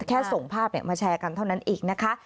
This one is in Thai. แค่ส่งภาพมาแชร์กันเท่านั้นเองนะคะ